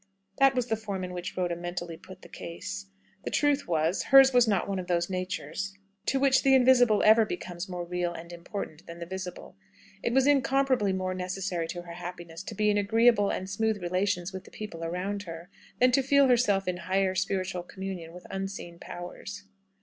That was the form in which Rhoda mentally put the case. The truth was, hers was not one of those natures to which the invisible ever becomes more real and important than the visible. It was incomparably more necessary to her happiness to be in agreeable and smooth relations with the people around her, than to feel herself in higher spiritual communion with unseen powers.